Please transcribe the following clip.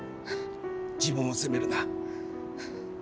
自分を責めるな！